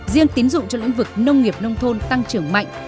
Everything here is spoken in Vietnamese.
riêng tín dụng cho lĩnh vực nông nghiệp nông thôn tăng trưởng mạnh